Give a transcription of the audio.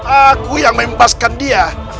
aku yang mempaskan dia